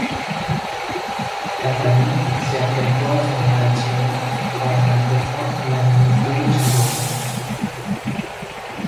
Catalina se acercó al general chileno para manifestar la rendición de su pueblo.